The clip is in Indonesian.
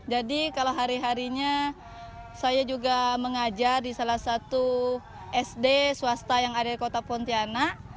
jadi kalau hari harinya saya juga mengajar di salah satu sd swasta yang ada di kota pontianak